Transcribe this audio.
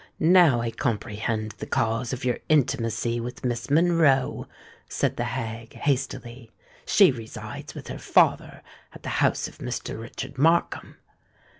now I comprehend the cause of your intimacy with Miss Monroe," said the hag, hastily: "she resides with her father at the house of Mr. Richard Markham.